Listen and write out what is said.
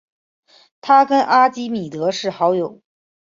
他跟阿基米德是好友。